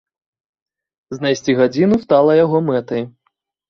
Знайсці гадзіну стала яго мэтай.